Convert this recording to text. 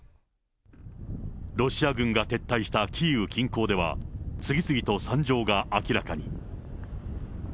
ロシア軍が撤退したキーウ近郊では、次々と惨状が明らかに。